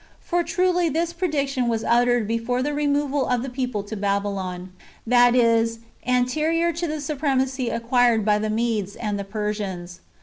For truly this prediction was uttered before the removal of the people to Babylon ; that is, anterior to the supremacy acquired by the Medes and Persians.